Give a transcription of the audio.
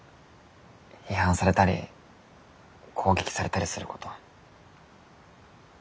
批判されたり攻撃されたりすること。